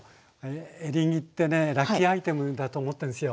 エリンギってねラッキーアイテムだと思ってるんですよ。